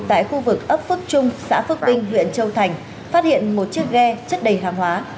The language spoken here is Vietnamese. tại khu vực ấp phước trung xã phước vinh huyện châu thành phát hiện một chiếc ghe chất đầy hàng hóa